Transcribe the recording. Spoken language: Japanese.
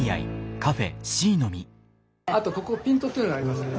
あとここピントっていうのがありますよね。